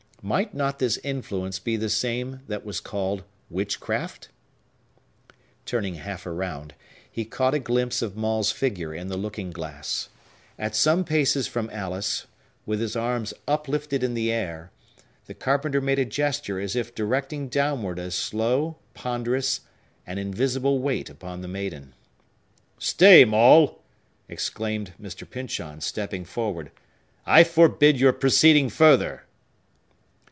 Might not this influence be the same that was called witchcraft? Turning half around, he caught a glimpse of Maule's figure in the looking glass. At some paces from Alice, with his arms uplifted in the air, the carpenter made a gesture as if directing downward a slow, ponderous, and invisible weight upon the maiden. "Stay, Maule!" exclaimed Mr. Pyncheon, stepping forward. "I forbid your proceeding further!"